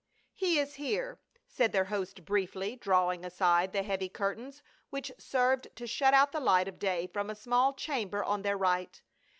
" He is here," .said their host briefly, drawing aside the heavy curtains which served to shut out the light of day from a small chamber on their right.